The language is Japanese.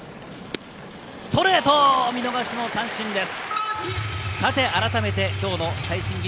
ストレート、見逃しの三振です。